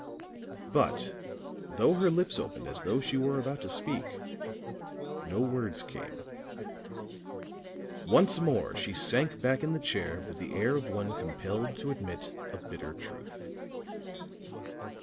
But, though her lips opened as though she were about to speak, no words came; once more she sank back in the chair with the air of one compelled to admit a bitter truth.